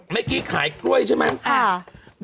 เมื่อกี้ขายกล้วยใช่ไหม